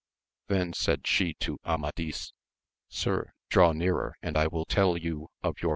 Then said she to Amadis, Sir, draw nearer, and I will tell you of your AMADIS OF GAUL.